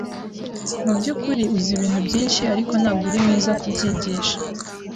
Mubyukuri uzi ibintu byinshi, ariko ntabwo uri mwiza kubyigisha.